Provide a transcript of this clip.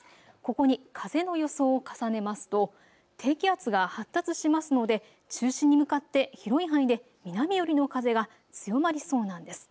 ここに風の予想を重ねますと低気圧が発達しますので中心に向かって広い範囲で南寄りの風が強まりそうなんです。